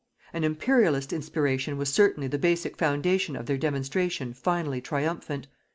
An Imperialist inspiration was certainly the basic foundation of their demonstration finally triumphant.